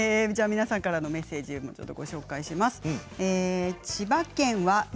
皆さんからのメッセージをご紹介します。